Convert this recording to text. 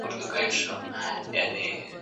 لوستې میندې د ماشومانو د لوبو وروسته جامې بدلوي.